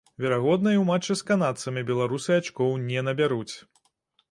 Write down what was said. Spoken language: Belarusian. Верагодна і ў матчы з канадцамі беларусы ачкоў не набяруць.